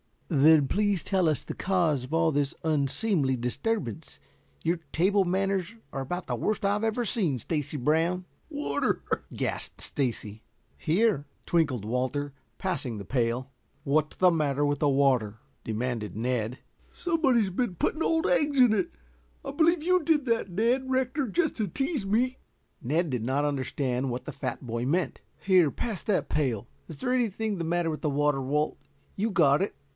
"Then, please tell us the cause of all this unseemly disturbance. Your table manners are about the worst I ever saw, Stacy Brown." "Water," gasped Stacy. "Here," twinkled Walter, passing the pail. "What's the matter with the water?" demanded Ned. "Somebody's been putting old eggs in it. I believe you did that, Ned Rector, just to tease me." Ned did not understand what the fat boy meant. "Here, pass that pail. Is there anything the matter with that water, Walt? You got it."